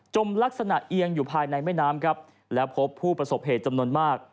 ลักษณะเอียงอยู่ภายในแม่น้ำครับแล้วพบผู้ประสบเหตุจำนวนมาก